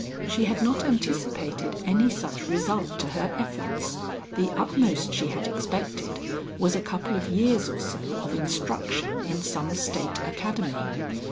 She had not anticipated any such result to her efforts; the utmost she had expected was a couple of years or so of instruction in some state Academy.